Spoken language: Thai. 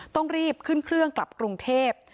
ต้องรีบขึ้นเครื่องกลับกรุงเทพ